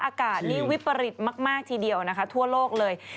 อากาศนี้วิปริตมากทีเดียวนะคะทั่วโลกเลย